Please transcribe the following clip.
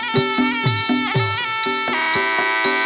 โชว์ที่สุดท้าย